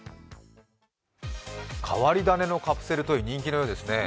変わり種カプセルトイ、人気のようですね。